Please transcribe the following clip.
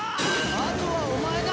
あとはお前だ！